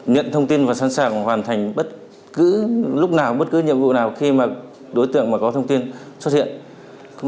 nhận thông tin và sẵn sàng hoàn thành bất cứ lúc nào bất cứ nhiệm vụ nào khi mà đối tượng mà có thông tin xuất hiện